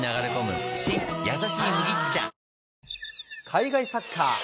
海外サッカー。